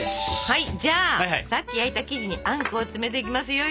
はいじゃあさっき焼いた生地にあんこを詰めていきますよ。